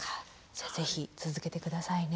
じゃあぜひ続けて下さいね。